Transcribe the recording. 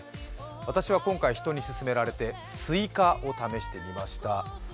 私は今回、人に勧められてスイカを試してみました。